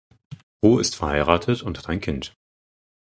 Ho ist verheiratet und hat ein Kind.